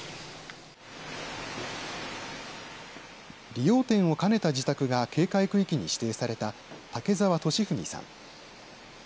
理容店を兼ねた自宅が警戒区域に指定された竹澤敏文さん。